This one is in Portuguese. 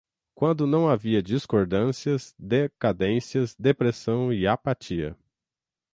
quando não havia discordâncias, decadências, depressão e apatia